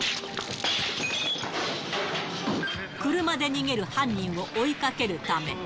車で逃げる犯人を追いかけるため。